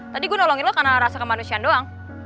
tadi gue nolongin lo karena rasa kemanusiaan doang